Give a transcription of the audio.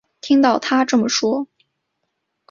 听到她这么说